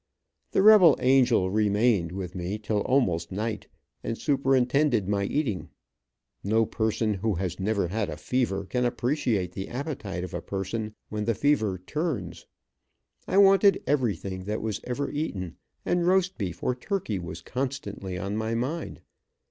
The rebel angel re mained with me till almost night, and superintended my eating. No person who has never had a fever, can appreciate the appetite of a person when the fever "turns." I wanted everything that was ever eaten, and roast beef or turkey was constantly in my mind.